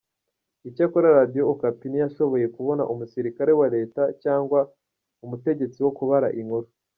Icyakora Radio Okapi ntiyashoboye kubona umusirikare wa Leta cyangwa umutegetsi wo kubara inkuru.